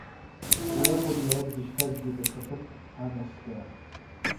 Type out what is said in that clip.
Уи акәын иара дзышьҭазгьы, даҽа ԥыҭк анаскьара.